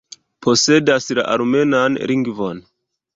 Posedas la armenan lingvon.